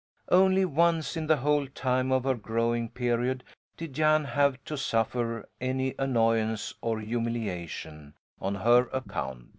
Only once in the whole time of her growing period did Jan have to suffer any annoyance or humiliation on her account.